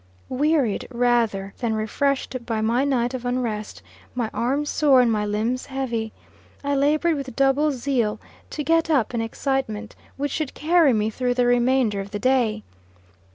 Wearied rather than refreshed by my night of unrest, my arms sore, and my limbs heavy, I labored with double zeal to get up an excitement, which should carry me through the remainder of the day.